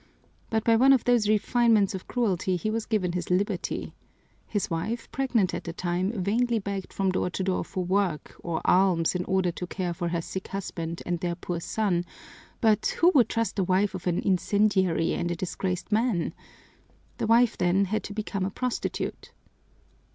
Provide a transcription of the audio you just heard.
But by one of those refinements of cruelty he was given his liberty. His wife, pregnant at the time, vainly begged from door to door for work or alms in order to care for her sick husband and their poor son, but who would trust the wife of an incendiary and a disgraced man? The wife, then, had to become a prostitute!"